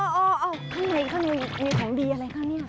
อ๋อข้างในข้างในมีของดีอะไรคะเนี่ย